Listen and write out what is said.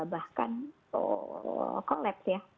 bahkan collapse ya